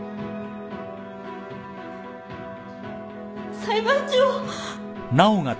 裁判長。